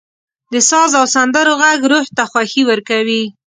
• د ساز او سندرو ږغ روح ته خوښي ورکوي.